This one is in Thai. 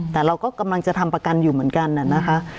แต่เราก็กำลังจะทำประกันอยู่เหมือนกันนะคะ